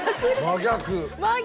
真逆？